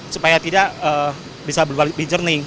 supaya tidak bisa berbalik balik jernih